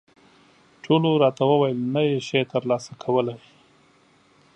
ټولو راته وویل، نه یې شې ترلاسه کولای.